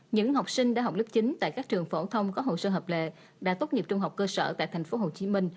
những học sinh đã học lớp chín tại các trường phổ thông có hồ sơ hợp lệ đã tốt nghiệp trung học cơ sở tại tp hcm